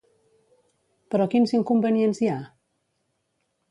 Però quins inconvenients hi ha?